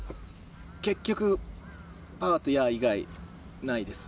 結局、パワーとヤー以外ないです